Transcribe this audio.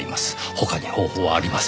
他に方法はありません。